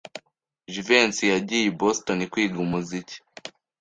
Jivency yagiye i Boston kwiga umuziki.